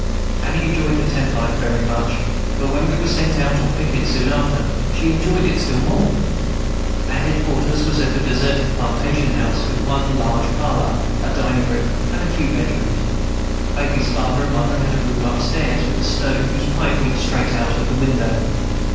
Annie enjoyed the tent life very much; but when we were Sent out on picket soon after, she enjoyed it still more. Our head quarters were at a deserted plantation house, with one large parlor, a dining room, and a few bedrooms. Baby's father and mother had a room up stairs, with a stove whose pipe went straight out at the window.